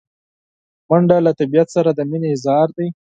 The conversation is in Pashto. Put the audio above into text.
منډه له طبیعت سره د مینې اظهار دی